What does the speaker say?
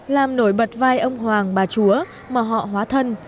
làm nổi bật vai ông hoàng bà chúa mà họ hóa thân